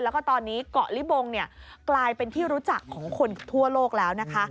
แล้วก็ตอนนี้เกาะลิบงกลายเป็นที่รู้จักของคนทั่วโลกแล้วนะคะ